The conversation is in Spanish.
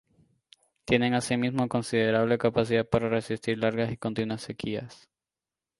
Tienen, asimismo, considerable capacidad para resistir largas y continuas sequías.